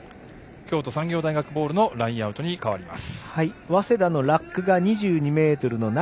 京都産業大学ボールのラインアウトです。